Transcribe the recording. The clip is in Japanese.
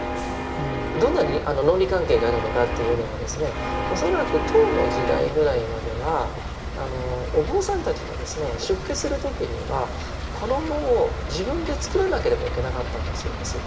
どんな論理関係があるのかというのは恐らく唐の時代ぐらいまではお坊さんたちが出家する時には衣を自分で作らなければいけなかったんだそうです。